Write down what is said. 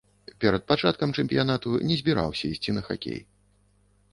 Перад пачаткам чэмпіянату не збіраўся ісці на хакей.